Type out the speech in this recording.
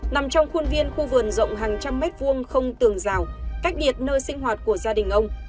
nằm trong khuôn viên khu vườn rộng hàng trăm mét vuông không tường rào cách biệt nơi sinh hoạt của gia đình ông